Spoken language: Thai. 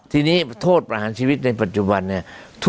ทีนี้โทษประหารชีวิตในปัจจุบันเนี่ย